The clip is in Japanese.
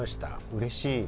うれしい。